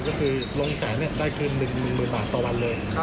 ก็คือลงแสนได้คืน๑๐๐๐บาทต่อวันเลย